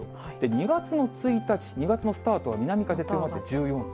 ２月の１日、２月のスタートは南風強まって１４度。